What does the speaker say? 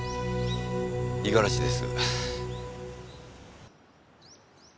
五十嵐です。